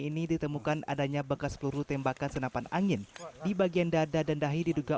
ini ditemukan adanya bekas peluru tembakan senapan angin di bagian dada dan dahi diduga